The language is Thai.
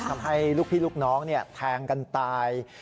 ทำให้ลูกพี่ลูกน้องแทงกันตาย